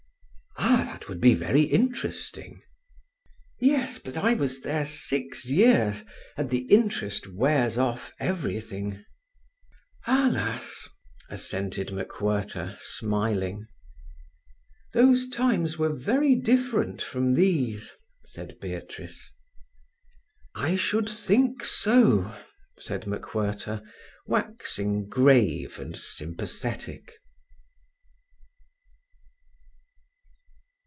"Ah—that would be very interesting." "Yes, but I was there six years, and the interest wears off everything." "Alas!" assented MacWhirter, smiling. "Those times were very different from these," said Beatrice. "I should think so," said MacWhirter, waxing grave and sympathetic.